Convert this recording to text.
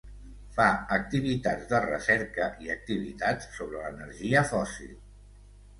Fa activitats de recerca i activitats sobre l'energia fòssil